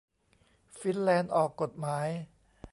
ฟินแลนด์ออกกฎหมาย